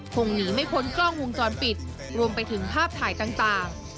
คงหนีไม่พ้นกล้องวงจรปิดรวมไปถึงภาพถ่ายต่าง